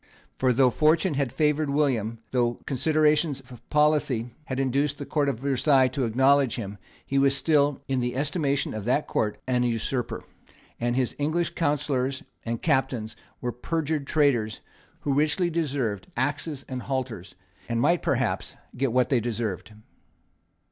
For, though fortune had favoured William, though considerations of policy had induced the Court of Versailles to acknowledge him, he was still, in the estimation of that Court, an usurper; and his English councillors and captains were perjured traitors who richly deserved axes and halters, and might, perhaps, get what they deserved.